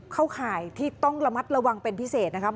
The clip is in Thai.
ข่ายที่ต้องระมัดระวังเป็นพิเศษนะครับ